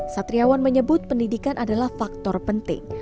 satriawan menyebut pendidikan adalah faktor penting